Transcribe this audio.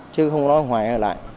chứ không nói ngoài nó ở lại